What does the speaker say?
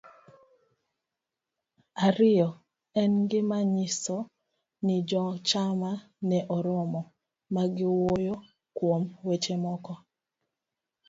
ariyo. En gima nyiso ni jochama ne oromo, ma giwuoyo kuom weche moko,